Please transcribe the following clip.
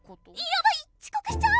やばいちこくしちゃう！